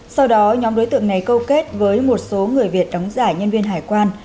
sau đó nhóm đối tượng này câu kết với một số người việt đóng giả nhân viên hải quan